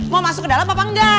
mau masuk ke dalam apa enggak